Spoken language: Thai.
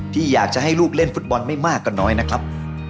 ที่อยากจะให้ลูกเล่นฟุตบอลไม่มากกว่าน้อยนะครับ